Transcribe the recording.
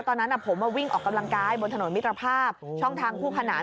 ตอนนั้นผมมาวิ่งออกกำลังกายบนถนนมิตรภาพช่องทางคู่ขนาน